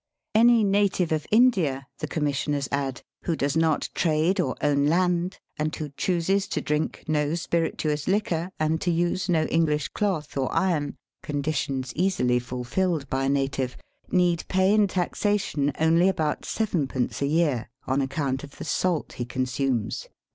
Any native of India," the Commissioners add, ^'who does not trade or own land, and Digitized by VjOOQIC 334 EAST BY WEST. who chooses to drink no spirituous liquor and to use no EngHsh cloth or iron " (conditions easily fulfilled by a native), "need pay in tax ation only about Id. a year on account of the salt he consumes."